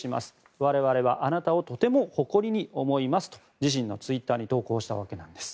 我々はあなたをとても誇りに思いますと自身のツイッターに投稿したわけです。